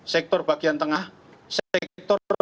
sektor bagian tengah sektor